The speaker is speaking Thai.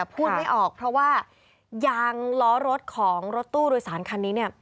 พูดไม่ออกเพราะว่ายางล้อรถของรถตู้โดยสารคันนี้เนี่ย